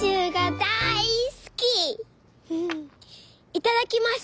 いただきます！」。